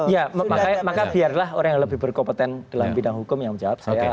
ya maka biarlah orang yang lebih berkompeten dalam bidang hukum yang menjawab